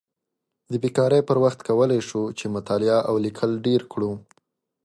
د بیکارۍ پر وخت کولی شو چې مطالعه او لیکل ډېر کړو.